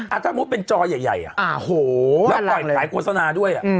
อาจมมุมเป็นจอใหญ่แล้วปล่อยไขีโฆษณาด้วย